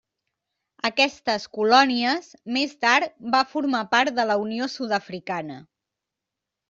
Aquestes colònies més tard va formar part de la Unió Sud-africana.